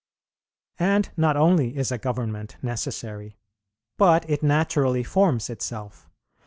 "And not only is a government necessary, but it naturally forms itself.